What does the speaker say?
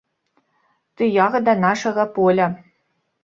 Ты ягада нашага поля.